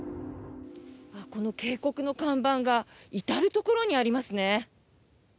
この警告の看板が至るところにありますね。